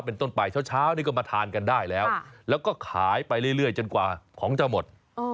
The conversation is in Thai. เป็นต้นไปเช้านี่ก็มาทานกันได้แล้วแล้วก็ขายไปเรื่อยจนกว่าของจะหมด